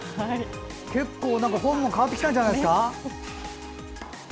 結構フォームも変わってきたんじゃないですか？